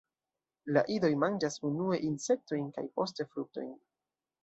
La idoj manĝas unue insektojn kaj poste fruktojn.